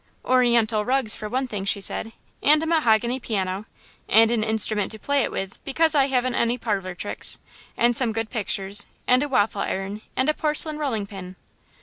"Oriental rugs, for one thing," she said, "and a mahogany piano, and an instrument to play it with, because I haven't any parlour tricks, and some good pictures, and a waffle iron and a porcelain rolling pin."